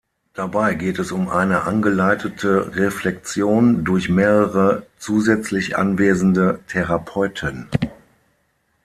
Dabei geht es um eine angeleitete Reflexion durch mehrere zusätzlich anwesende Therapeuten.